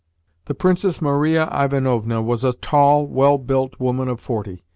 The Princess Maria Ivanovna was a tall, well built woman of forty.